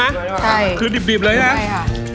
ใช่คือดิบเลยนะใช่ค่ะ